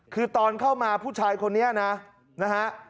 คือตอนเข้ามาผู้ชายคนนี้นะนะฮะ